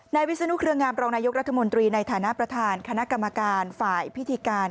วิศนุเครืองามรองนายกรัฐมนตรีในฐานะประธานคณะกรรมการฝ่ายพิธีการ